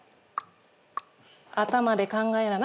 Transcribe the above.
頭で考えな。